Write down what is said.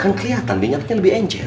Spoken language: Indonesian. kan kelihatan minyaknya lebih enjer